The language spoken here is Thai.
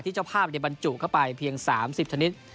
เจ้าภาพบรรจุเข้าไปเพียง๓๐ชนิด